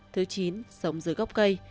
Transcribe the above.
thứ chín sống dưới góc cây